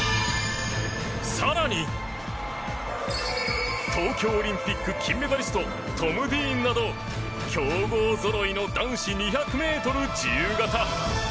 更に東京オリンピック金メダリストトム・ディーンなど強豪ぞろいの男子２００ｍ自由形。